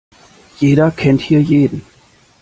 Jeder kennt hier jeden.